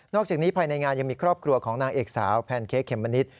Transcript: จากนี้ภายในงานยังมีครอบครัวของนางเอกสาวแพนเค้กเมมะนิด